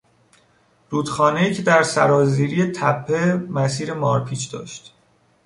رودخانهای که در سرازیری تپه مسیر مارپیچ داشت